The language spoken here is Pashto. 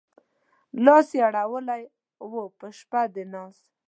لاس يې اړولی و په شپه د ناز